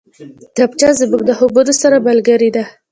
کتابچه زموږ له خوبونو سره ملګرې ده